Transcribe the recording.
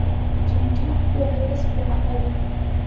جینېټیک د وراثت پوهنه ده